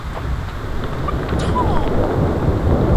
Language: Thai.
ปั๊ดธ่อ